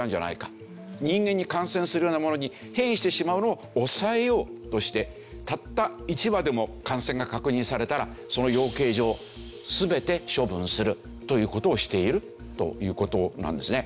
人間に感染するようなものに変異してしまうのを抑えようとしてたった一羽でも感染が確認されたらその養鶏場全て処分するという事をしているという事なんですね。